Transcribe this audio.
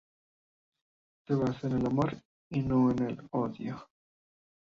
Se basa en el amor y no en el odio.